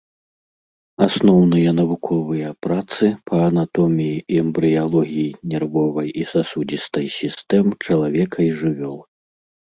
Асноўныя навуковыя працы па анатоміі і эмбрыялогіі нервовай і сасудзістай сістэм чалавека і жывёл.